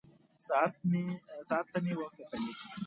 ساعت ته مې وکتلې.